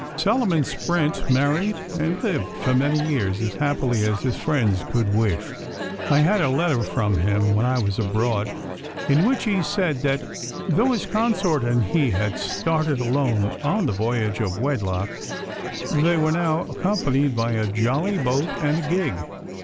Solomon Sprent married and lived for many years as happily as his friends could wish. I had a letter from him when I was abroad, in which he said that though his consort and he had started alone on the voyage of wedlock, they were now accompanied by a jolly boat and a gig.